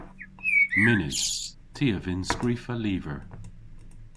Mynnydh. Ty a vynn skrifa lyver.